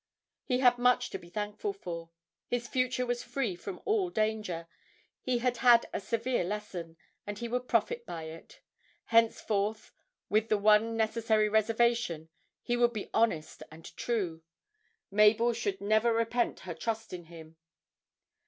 He had much to be thankful for; his future was free from all danger. He had had a severe lesson, and he would profit by it; henceforth (with the one necessary reservation) he would be honest and true Mabel should never repent her trust in him.